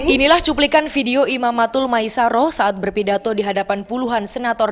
inilah cuplikan video imamatul maisaroh saat berpidato di hadapan puluhan senator